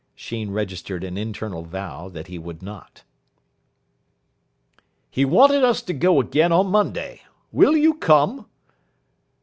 Sheen registered an internal vow that he would not. "He wanted us to go again on Monday. Will you come?"